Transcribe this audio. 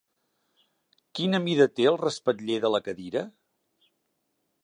Quina mida té el respatller de la cadira?